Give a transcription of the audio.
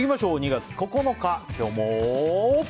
２月９日、今日も。